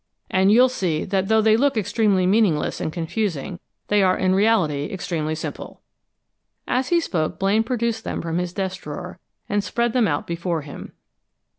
And you'll see that though they look extremely meaningless and confusing, they are in reality extremely simple." As he spoke, Blaine produced them from his desk drawer, and spread them out before him.